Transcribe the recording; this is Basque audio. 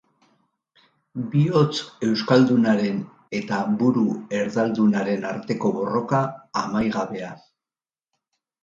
Bihotz euskaldunaren eta buru erdaldunaren arteko borroka amaigabea.